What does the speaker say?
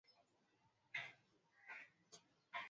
kujadili namna ya kukabiliana na mabadiliko ya tabia nchi